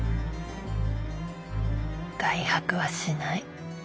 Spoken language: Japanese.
外泊はしない。